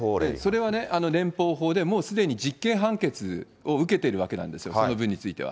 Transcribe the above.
それは連邦法で、もうすでに実刑判決を受けてるわけなんですよ、その分については。